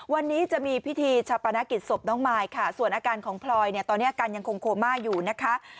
วันนี้จะมีพิธีชาปนกิจศพน้องมายค่ะส่วนอาการของพลอยเนี่ยตอนนี้อาการยังคงโคม่าอยู่นะคะ